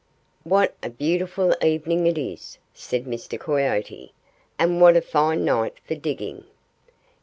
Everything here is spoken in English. "What a beautiful evening it is!" said Mr. Coyote. "And what a fine night for digging!"